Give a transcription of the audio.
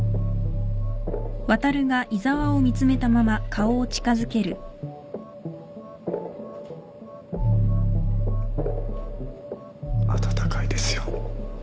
温かいですよ。